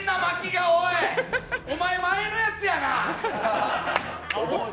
お前、前のやつやな！